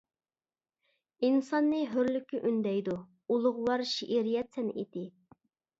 ئىنساننى ھۆرلۈككە ئۈندەيدۇ ئۇلۇغۋار شېئىرىيەت سەنئىتى.